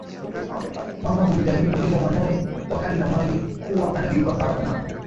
Mama hujitahidi kumlinda mwanae kwa hali na mali na huwa anageuka mara kwa mara